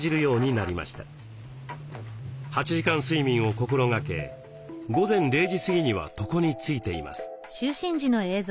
８時間睡眠を心がけ午前０時過ぎには床についています。